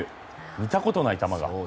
見たことない球が。